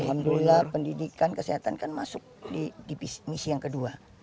alhamdulillah pendidikan kesehatan kan masuk di misi yang kedua